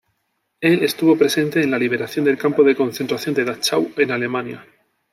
Él estuvo presente en la liberación del campo de concentración de Dachau, en Alemania.